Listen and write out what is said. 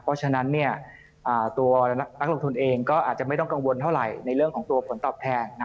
เพราะฉะนั้นตัวนักลงทุนเองก็อาจจะไม่ต้องกังวลเท่าไหร่ในเรื่องของตัวผลตอบแทน